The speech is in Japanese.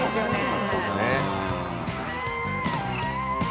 そうですね。